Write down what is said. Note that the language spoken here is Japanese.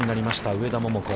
上田桃子。